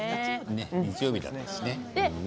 日曜日だったしね。